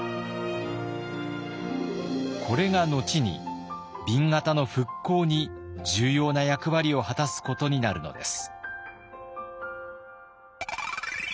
これが後に紅型の復興に重要な役割を果たすことになるのです。